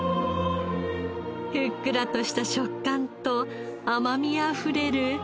ふっくらとした食感と甘みあふれる煮アナゴ。